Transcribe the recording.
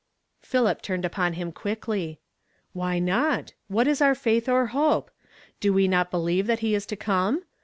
Philip turned upon him quickly. "Why not? What is our faith or hope? Do we not believe that he is to come?